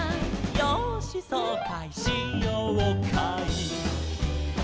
「よーしそうかいしようかい」